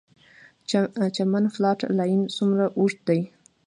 چمن فالټ لاین څومره اوږد دی؟